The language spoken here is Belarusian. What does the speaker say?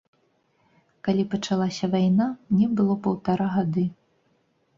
Калі пачалася вайна, мне было паўтара гады.